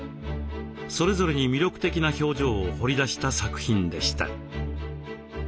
それぞれに魅力的な表情を彫りだした作品でした。